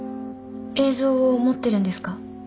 映像を持ってるんですか？